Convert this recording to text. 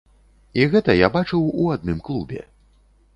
І гэта я бачыў у адным клубе.